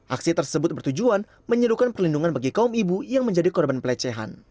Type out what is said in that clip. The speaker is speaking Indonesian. aksi tersebut bertujuan menyerukan perlindungan bagi kaum ibu yang menjadi korban pelecehan